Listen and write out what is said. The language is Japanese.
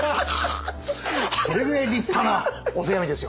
それぐらい立派なお手紙ですよ。